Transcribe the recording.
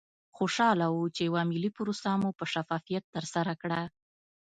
خوشحاله وو چې یوه ملي پروسه مو په شفافیت ترسره کړه.